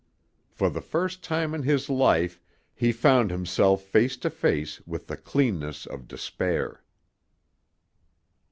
For the first time in his life he found himself face to face with the cleanness of despair.